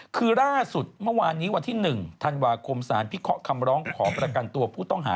คือล่าสุดเมื่อวานนี้วันที่๑ธันวาคมสารพิเคราะห์คำร้องขอประกันตัวผู้ต้องหา